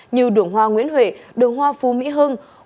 như đường hoa nguyễn huệ đường hoa phú mỹ hưng